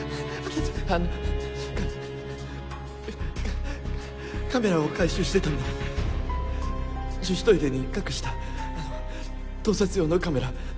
カカメラを回収してたんだ女子トイレに隠した盗撮用のカメラ。